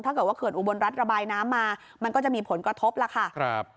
ถ้าเกิดว่าเขื่อนอุบลรัฐระบายน้ำมามันก็จะมีผลกระทบล่ะค่ะ